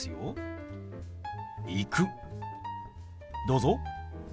どうぞ。